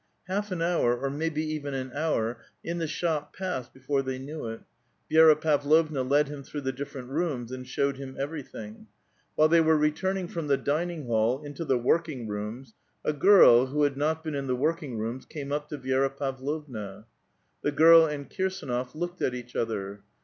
Half an hour, or maybe even an hour, in the shop passed before they knew it. Vi6ra Pavlovna led him through the different rooms, and showed him everything. While they were re turning from the dining hall into the working rooms, a girl, who had not been in the working rooms, came up to Vi6ra Pavlovna. The girl and Kirsdnof looked at each other.